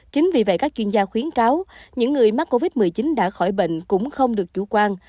chính vì vậy các chuyên gia khuyến cáo những người mắc covid một mươi chín đã khỏi bệnh cũng không được chủ quan